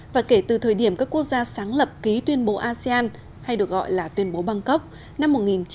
và kể từ thời điểm các quốc gia sáng lập ký tuyên bố asean hay được gọi là tuyên bố băng cốc năm một nghìn chín trăm sáu mươi bảy